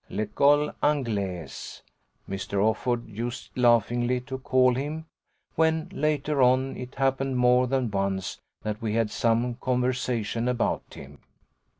L'Ecole Anglaise Mr. Offord used laughingly to call him when, later on, it happened more than once that we had some conversation about him.